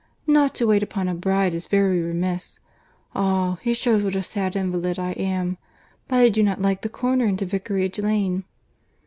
Not to wait upon a bride is very remiss. Ah! it shews what a sad invalid I am! But I do not like the corner into Vicarage Lane."